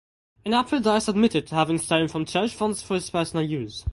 In April Dias admitted to having stolen from Church funds for his personal use.